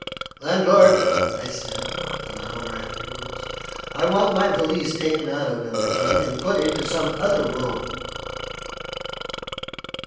"Landlord," said I, an hour afterwards, "I want my valise taken out of No. 10, and put into some other room."